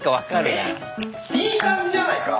えっ⁉いい感じじゃないか？